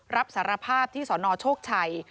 รับสารภาพที่สนโชคชัย